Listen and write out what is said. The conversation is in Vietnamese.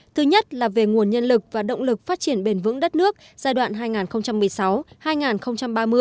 thứ nhất là về nguồn nhân lực và động lực phát triển bền vững đất nước giai đoạn hai nghìn một mươi sáu hai nghìn ba mươi